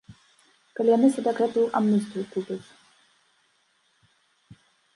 Калі яны сабе гэтую амністыю купяць.